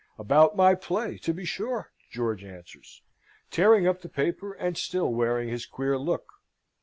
"About my play, to be sure," George answers, tearing up the paper, and still wearing his queer look.